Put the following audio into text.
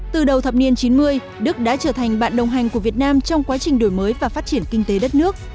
từ đầu thập niên chín mươi đức đã trở thành bạn đồng hành của việt nam trong quá trình đổi mới và phát triển kinh tế đất nước